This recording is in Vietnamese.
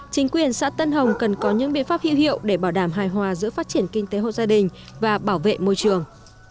chính quyền xã tân hồng cần có những biện pháp hữu hiệu để bảo đảm hài hòa giữa phát triển kinh tế hộ gia đình và bảo vệ môi trường